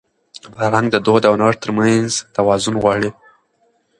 فرهنګ د دود او نوښت تر منځ توازن غواړي.